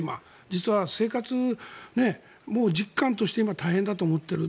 実は生活実感として大変だと思っている。